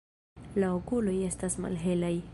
La okuloj estas malhelaj.